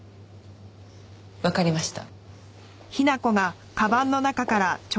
わかりました。